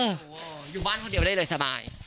โอ้โหอยู่บ้านคนเดียวได้เลยสบาย